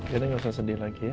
kita nggak usah sedih lagi ya